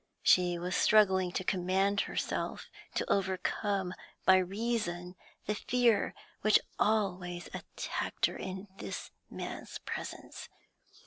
She was struggling to command herself, to overcome by reason the fear which always attacked her in this man's presence.